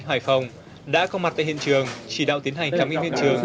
hải phòng đã có mặt tại hiện trường chỉ đạo tiến hành khám nghiệm hiện trường